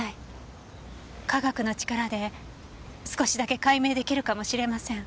科学の力で少しだけ解明出来るかもしれません。